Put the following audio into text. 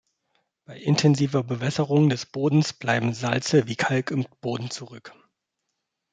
Bei intensiver Bewässerung des Bodens bleiben Salze wie Kalk im Boden zurück.